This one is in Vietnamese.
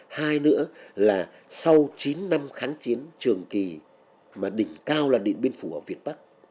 hai nữa là sau chín năm kháng chiến trường kỳ mà đỉnh cao là điện biên phủ ở việt bắc